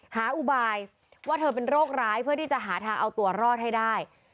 อุบายว่าเธอเป็นโรคร้ายเพื่อที่จะหาทางเอาตัวรอดให้ได้